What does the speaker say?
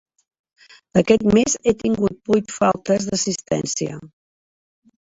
Aquest mes he tingut vuit faltes d'assistència.